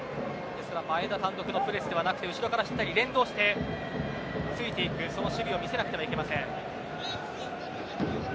前田単独のプレスではなくて後ろからしっかり連動してついて行く守備を見せていかなければなりません。